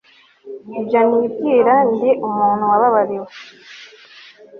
ibyo nibwira ndi umuntu wababariwe